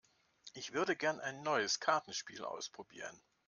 Ich würde gerne ein neues Kartenspiel ausprobieren.